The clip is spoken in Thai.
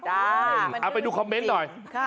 เอาไปดูคอมเมนต์หน่อย